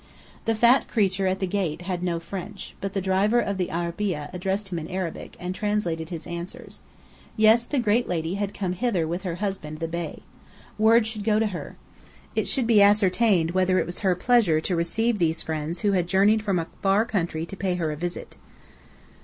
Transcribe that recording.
The fat creature at the gate had no French, but the driver of the arabeah addressed him in Arabic, and translated his answers. Yes, the great lady had come hither with her husband the Bey. Word should go to her. It should be ascertained whether it was her pleasure to receive these friends who had journeyed from a far country to pay her a visit.